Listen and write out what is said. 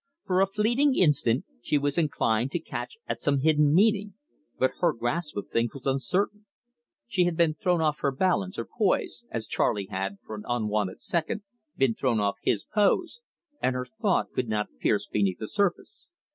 For a fleeting instant she was inclined to catch at some hidden meaning, but her grasp of things was uncertain. She had been thrown off her balance, or poise, as Charley had, for an unwonted second, been thrown off his pose, and her thought could not pierce beneath the surface.